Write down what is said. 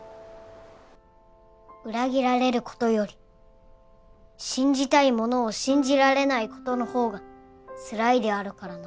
裏切られる事より信じたいものを信じられない事のほうがつらいであるからな。